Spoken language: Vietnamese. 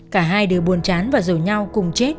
cả hai đều buồn chán và rủ nhau cùng chết